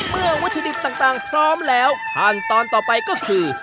เมื่อวัตถุดิบต่างพร้อมแล้วขั้นตอนต่อไปก็คือ